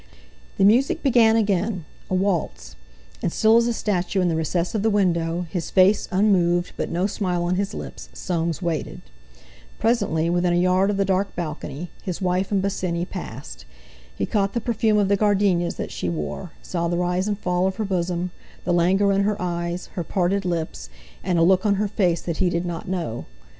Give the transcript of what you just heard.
The music began again—a waltz—and, still as a statue in the recess of the window, his face unmoved, but no smile on his lips, Soames waited. Presently, within a yard of the dark balcony, his wife and Bosinney passed. He caught the perfume of the gardenias that she wore, saw the rise and fall of her bosom, the languor in her eyes, her parted lips, and a look on her face that he did not know.